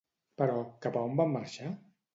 Però, cap a on va marxar?